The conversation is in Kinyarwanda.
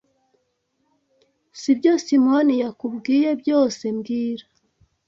Nibyo Simoni yakubwiye byose mbwira